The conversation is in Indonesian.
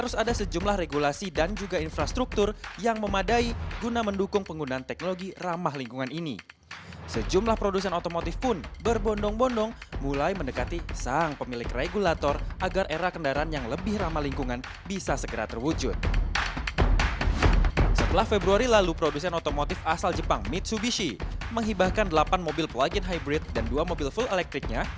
setelah februari lalu produsen otomotif asal jepang mitsubishi menghibahkan delapan mobil plug in hybrid dan dua mobil full elektriknya